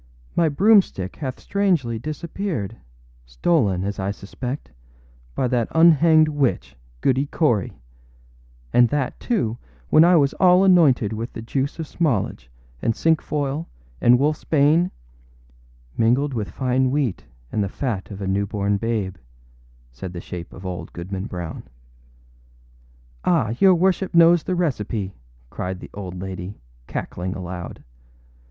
âmy broomstick hath strangely disappeared, stolen, as I suspect, by that unhanged witch, Goody Cory, and that, too, when I was all anointed with the juice of smallage, and cinquefoil, and wolfâs bane.â âMingled with fine wheat and the fat of a new born babe,â said the shape of old Goodman Brown. âAh, your worship knows the recipe,â cried the old lady, cackling aloud.